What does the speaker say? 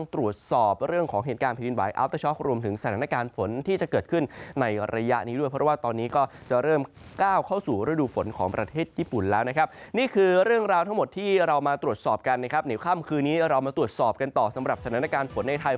ตรวจสอบกันครับข้ามคืนนี้เรามาตรวจสอบกันต่อสำหรับสถานการณ์ฝนในไทย